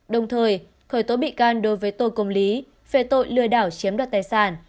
đồng thời khởi tố bị can đối với tô công lý về tội lừa đảo chiếm đoạt tài sản